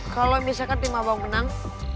kalau misalkan tim abang menang